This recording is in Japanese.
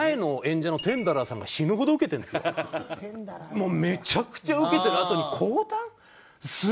もうめちゃくちゃウケてるあとに講談？